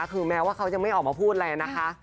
คือแม้ว่าเขายังไม่ออกมาพูดอะไรนะคะ